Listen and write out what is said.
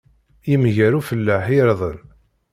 Yemger ufellaḥ irden.